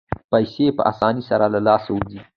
پیسې په اسانۍ سره له لاسه وځي.